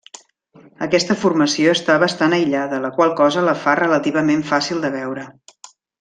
Aquesta formació està bastant aïllada, la qual cosa la fa relativament fàcil de veure.